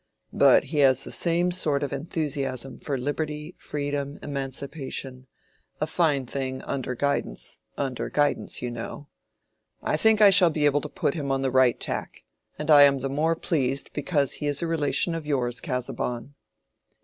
But he has the same sort of enthusiasm for liberty, freedom, emancipation—a fine thing under guidance—under guidance, you know. I think I shall be able to put him on the right tack; and I am the more pleased because he is a relation of yours, Casaubon."